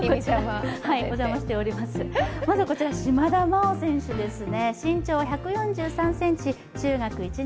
まずはこちら、島田麻央選手ですね